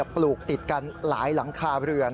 ปลูกติดกันหลายหลังคาเรือน